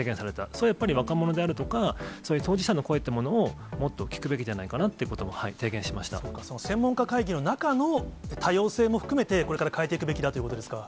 それはやっぱり若者であるとか、当事者の声というものをもっと聞くべきじゃないかということを提専門家会議の中の多様性も含めてこれから、変えていくべきだということですか。